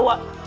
wak wak wak